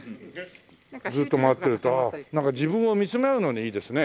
ずっと回ってるとああなんか自分を見つめ合うのにいいですね。